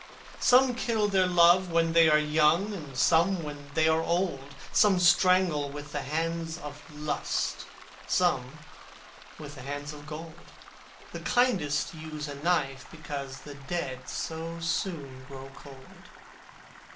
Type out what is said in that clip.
Some kill their love when they are young, And some when they are old; Some strangle with the hands of Lust, Some with the hands of Gold: The kindest use a knife, because The dead so soon grow cold.